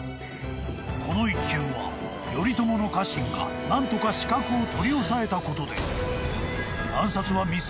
［この一件は頼朝の家臣が何とか刺客を取り押さえたことで］